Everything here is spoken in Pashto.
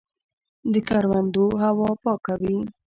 د کروندو هوا پاکه وي.